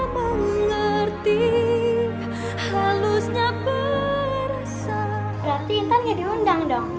berarti intan gak diundang dong